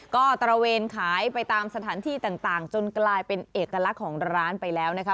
ก็ตระเวนขายไปตามสถานที่ต่างจนกลายเป็นเอกลักษณ์ของร้านไปแล้วนะคะ